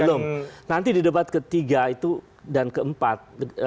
belum nanti di debat ketiga itu dan keempat